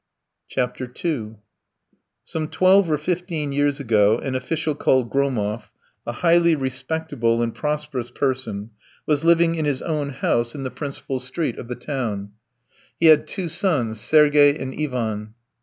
II Some twelve or fifteen years ago an official called Gromov, a highly respectable and prosperous person, was living in his own house in the principal street of the town. He had two sons, Sergey and Ivan.